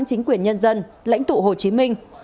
chính quyền nhân dân lãnh tụ hồ chí minh